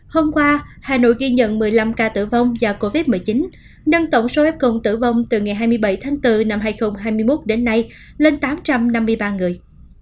hôm qua hà nội ghi nhận một mươi năm ca tử vong do covid một mươi chín nâng tổng số f công tử vong từ ngày hai mươi bảy tháng bốn năm hai nghìn hai mươi một đến nay lên tám trăm năm mươi ba người